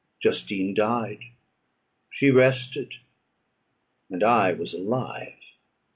Justine died; she rested; and I was alive.